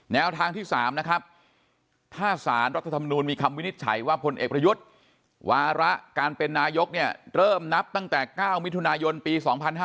แนวทางที่๓นะครับถ้าสารรัฐธรรมนูลมีคำวินิจฉัยว่าพลเอกประยุทธ์วาระการเป็นนายกเนี่ยเริ่มนับตั้งแต่๙มิถุนายนปี๒๕๕๙